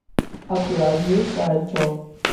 აქვეა ალჟირის საელჩო.